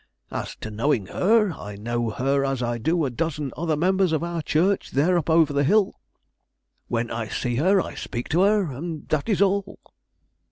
As to knowing her, I know her as I do a dozen other members of our church there up over the hill. When I see her I speak to her, and that is all."